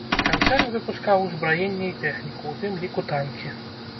Канцэрн выпускаў узбраенне і тэхніку, у тым ліку танкі.